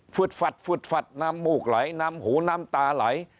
ฝัดฟึดฟัดน้ำมูกไหลน้ำหูน้ำตาไหล